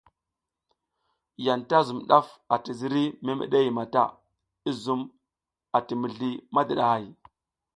Yanta zun daf ati ziriy memede mata, i zum a ti mizli madidahay.